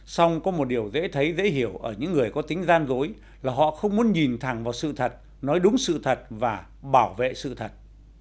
xong có một điều dễ thấy dễ hiểu ở những người có tính gian dối là họ không muốn nhìn thẳng vào sự thật nói đúng sự thật và bảo vệ sự thật